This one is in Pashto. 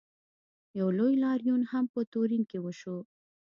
یو لوی لاریون هم په تورین کې وشو.